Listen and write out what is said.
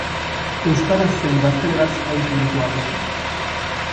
Euskaraz zein gazteleraz egiten ditu abestiak.